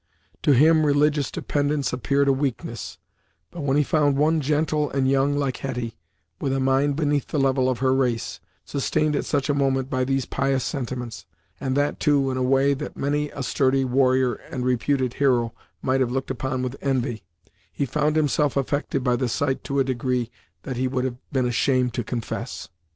To him religious dependence appeared a weakness, but when he found one gentle and young like Hetty, with a mind beneath the level of her race, sustained at such a moment by these pious sentiments, and that, too, in a way that many a sturdy warrior and reputed hero might have looked upon with envy, he found himself affected by the sight to a degree that he would have been ashamed to confess.